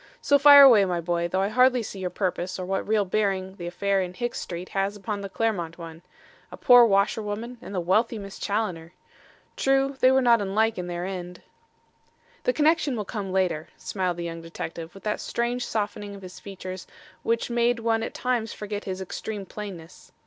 So fire away, my boy, though I hardly see your purpose or what real bearing the affair in Hicks Street has upon the Clermont one. A poor washerwoman and the wealthy Miss Challoner! True, they were not unlike in their end." "The connection will come later," smiled the young detective, with that strange softening of his features which made one at times forget his extreme plainness.